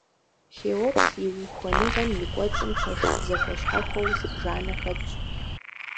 Хеопс и ухуэныгъэм и кӀуэцӀым пэш зэхуэщхьэхуэу зыбжанэ хэтщ.